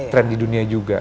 trend di dunia juga